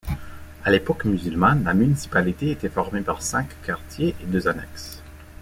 À l’époque musulmane la municipalité était formée par cinq quartiers et deux annexes.